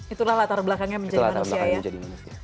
itulah latar belakangnya menjadi manusia ya